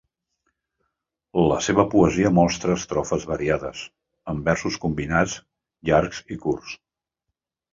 La seva poesia mostra estrofes variades, amb versos combinats llargs i curts.